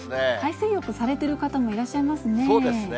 海水浴されてる方もいらっしそうですね。